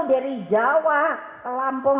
dari jawa ke lampung